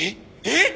えっ！？